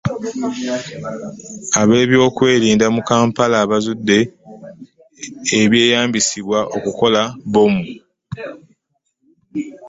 Ab'ebyokwerinda mu Kampala bazudde ebyeyambisibwa okukola bbomu